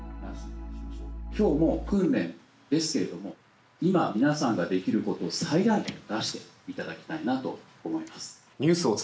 きょうも訓練ですけれども今、皆さんができることを最大限、出していただきたいなと思います。